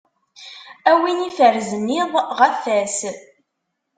A win iferzen iḍ ɣef wass.